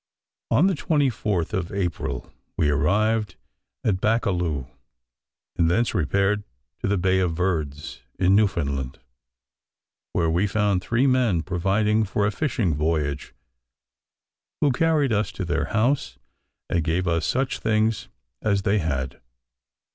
On the 24th of April we arrived at Baccalew, and thence repaired to the Bay of Verds, in Newfoundland, where we found three men providing for a fishing voyage, who carried us to their house, and gave us such things as they had.